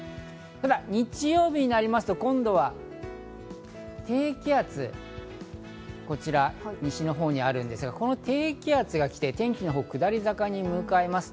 ただ日曜日になりますと、今度は低気圧、こちら西のほうにあるんですが、この低気圧が来て、天気が下り坂に向かいます。